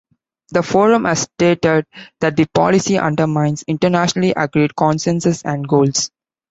The forum has stated that the policy "undermines internationally agreed consensus and goals".